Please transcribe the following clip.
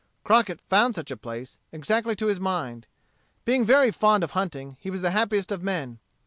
Crockett found such a place, exactly to his mind. Being very fond of hunting, he was the happiest of men.